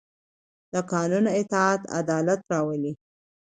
د قانون اطاعت عدالت راولي